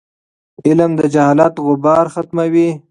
علم د جهالت غبار ختموي.